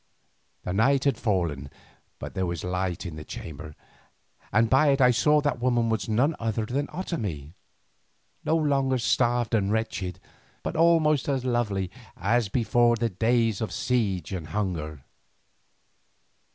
The night had fallen, but there was light in the chamber, and by it I saw that the woman was none other than Otomie, no longer starved and wretched, but almost as lovely as before the days of siege and hunger.